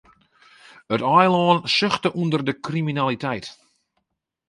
It eilân suchte ûnder de kriminaliteit.